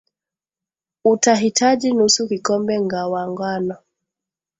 utahitaji nusu kikombe nga wa ngano